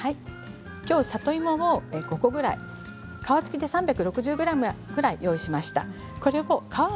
きょうは里芋を５個ぐらい皮付きで３６０ｇ用意しました。